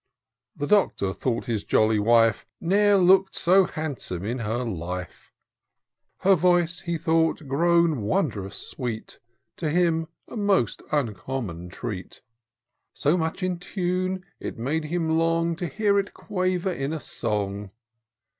The Doctor thought his jolly wife Ne'er look'd so handsome in her life. Her voice he thought grown wond'rous sweet; To him a most uncommon treat, z z 354 TOUR OP DOCTOR SYNTAX So much in tune, it made him long To hear it quaver in a song.